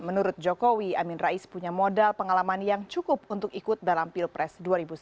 menurut jokowi amin rais punya modal pengalaman yang cukup untuk ikut dalam pilpres dua ribu sembilan belas